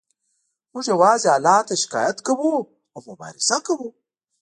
موږ یوازې الله ته شکایت کوو او مبارزه کوو